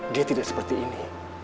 dia tidak seperti ini